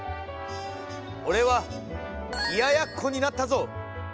俺は冷ややっこになったぞ！